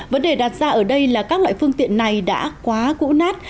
vấn đề đặt ra ở đây là các loại phương tiện này đã quá cũ nát